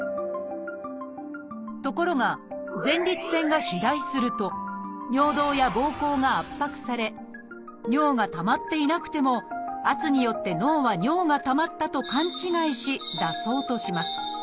ところが前立腺が肥大すると尿道やぼうこうが圧迫され尿がたまっていなくても圧によって脳は尿がたまったと勘違いし出そうとします。